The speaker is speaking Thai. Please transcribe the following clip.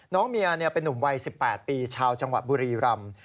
น้องเมียเป็นนุ่มวัย๑๘ปีชาวจังหวัดบุรีรำ